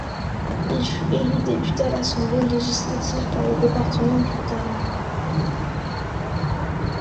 Il fut élu député à l'Assemblée législative par le département du Tarn.